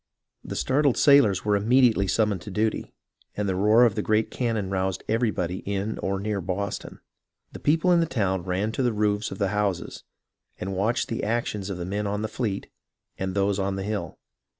The startled sailors were immediately summoned to duty, and the roar of the great cannon roused everybody in or near Boston. The people in the town ran to the roofs of the houses, and watched the actions of the men on the fleet and those on the hill.